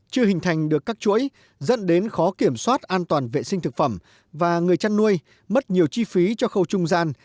chưa hình thành được các chuỗi dẫn đến khó kiểm soát an toàn vệ sinh thực phẩm và người chăn nuôi mất nhiều chi phí cho khâu trung gian